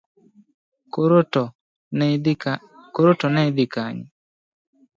Koro to neidhi Kanye?